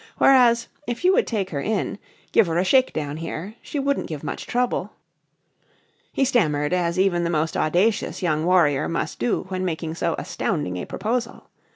Whereas, if you would take her in give her a shake down here she wouldn't give much trouble " He stammered as even the most audacious young warrior must do when making so astounding a proposal.